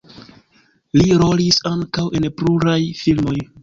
Li rolis ankaŭ en pluraj filmoj.